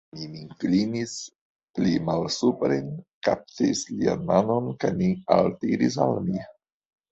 Mi min klinis pli malsupren, kaptis lian manon kaj lin altiris al mi.